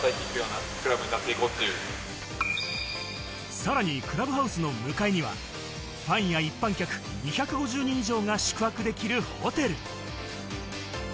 さらにクラブハウスの向かいには、ファンや一般客２５０人以上が宿泊できるホテル。